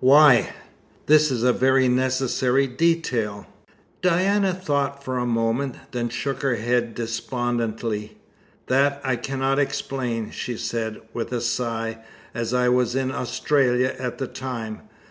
"Why? That is a very necessary detail." Diana thought for a moment, then shook her head despondingly. "That I cannot explain," she said, with a sigh, "as I was in Australia at the time.